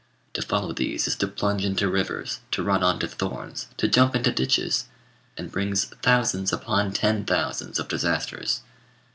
To follow these is to plunge into rivers, to run on to thorns, to jump into ditches, and brings thousands upon ten thousands of disasters.